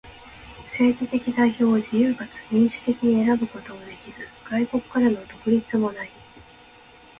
政治的代表を自由かつ民主的に選ぶこともできず、外国からの独立もない。